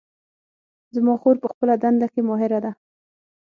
زما خور په خپله دنده کې ماهره ده